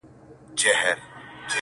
څه مي ارام پرېږده ته_